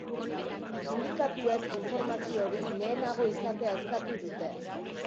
Sindikatuek informazio hori lehenago izatea eskatu dute.